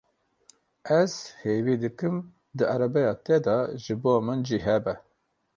Ez hêvî dikim di erebeya te de ji bo min cî hebe.